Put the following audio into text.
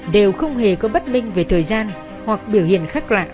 đều không hề có bất minh về thời gian hoặc biểu hiện khác lạc